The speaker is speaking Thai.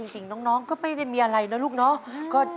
จริงน้องก็ไม่ได้มีอะไรนะลูกเนาะ